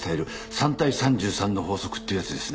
３対３３の法則っていうやつですね。